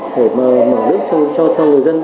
để mở nước cho người dân